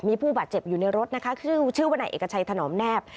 มีผู้บาดเจ็บอยู่ในรถนะคะชื่อว่านายเอกชัยถนอมแนบ